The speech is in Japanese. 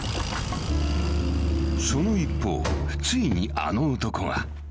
［その一方ついにあの男が］